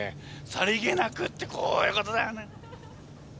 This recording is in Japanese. さりげなくってこういうことだよね。